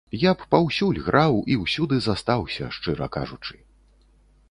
Я б паўсюль граў і ўсюды застаўся, шчыра кажучы.